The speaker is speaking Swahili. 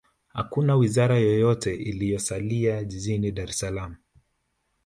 hakuna wizara yoyote iliyosalia jijini dar es salaam